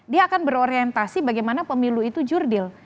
dia akan berorientasi bagaimana pemilu itu jurdil